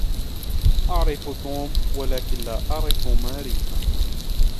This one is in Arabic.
أعرف توم ولكن لا أعرف ماري.